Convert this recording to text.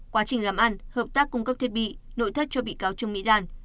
quá trình làm ăn hợp tác cung cấp thiết bị nội thất cho bị cáo trương mỹ lan